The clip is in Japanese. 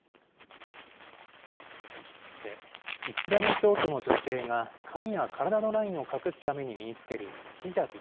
さて、イスラム教徒の女性が髪や体のラインを隠すために身につけるヒジャブ。